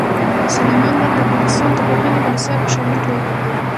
سلیمان غر د افغانستان د پوهنې په نصاب کې شامل دی.